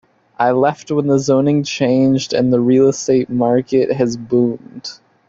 I left when the zoning changed and the real estate market has boomed.